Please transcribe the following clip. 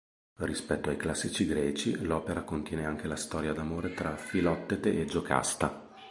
Rispetto ai classici greci, l'opera contiene anche la storia d'amore tra Filottete e Giocasta.